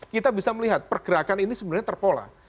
kita bisa melihat pergerakan ini sebenarnya terpola